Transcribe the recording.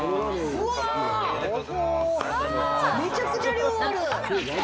めちゃくちゃ量ある。